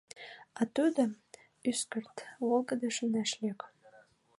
А тудо, ӱскырт, волгыдыш ынеж лек.